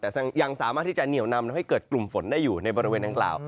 แต่ยังสามารถที่จะเหนียวนำทำให้เกิดกลุ่มฝนได้อยู่ในบริเวณดังกล่าว